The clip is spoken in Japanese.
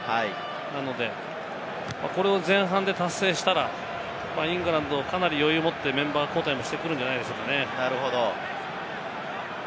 なので、これを前半で達成したらイングランドはかなり余裕を持ってメンバー交代もしてくるんじゃないでしょうかね。